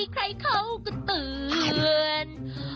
ใครเขาก็เตือน